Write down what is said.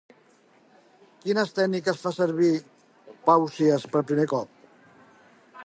Quines tècniques va fer servir Pàusies per primer cop?